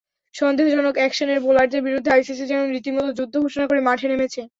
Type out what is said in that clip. সন্দেহজনক অ্যাকশনের বোলারদের বিরুদ্ধে আইসিসি যেন রীতিমতো যুদ্ধ ঘোষণা করে মাঠে নেমেছে।